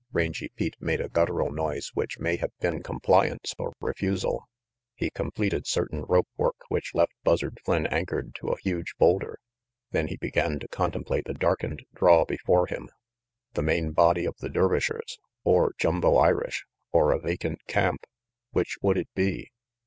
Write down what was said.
Rangy Pete made a guttural noise which may have been compliance or refusal; he completed cer tain rope work which left Buzzard Flynn anchored to a huge boulder; then he began to contemplate the darkened draw before him. The main body of the Dervishers, or Jumbo Irish, or a vacant camp which would it be?